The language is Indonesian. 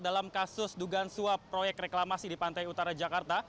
dalam kasus dugaan suap proyek reklamasi di pantai utara jakarta